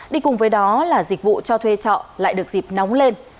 đi cùng với đó là dịch vụ cho thuê trọ lại được dịp nóng lên